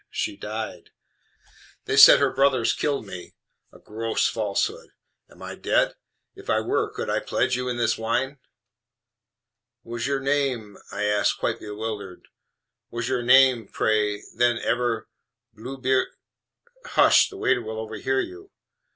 She died. They said her brothers killed me. A gross falsehood. AM I dead? If I were, could I pledge you in this wine?" "Was your name," I asked, quite bewildered, "was your name, pray, then, ever Blueb ?" "Hush! the waiter will overhear you.